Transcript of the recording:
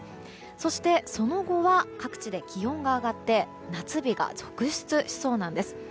そして、その後は各地で気温が上がって夏日が続出しそうなんです。